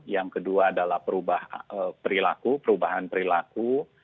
yang kedua adalah perubahan perilaku